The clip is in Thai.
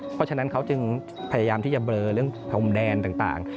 เพราะฉะนั้นเขาจึงพยายามที่จะเบลอเรื่องพรมแดนต่าง